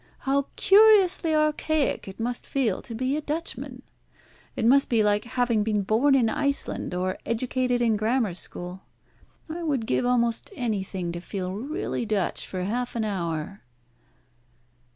How curiously archaic it must feel to be a Dutchman. It must be like having been born in Iceland, or educated in a Grammar School. I would give almost anything to feel really Dutch for half an hour."